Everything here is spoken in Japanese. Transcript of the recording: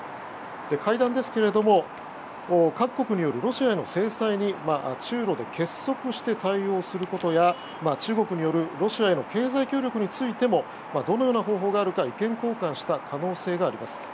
会談ですが各国によるロシアへの制裁に中露で結束して対応することや中国によるロシアへの経済協力についてもどのような方法があるか意見交換した可能性があります。